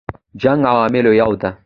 جنګ عواملو یو دی.